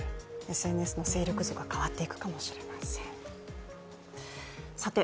ＳＮＳの勢力図が変わっていくかもしれません。